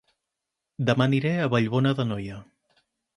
Dema aniré a Vallbona d'Anoia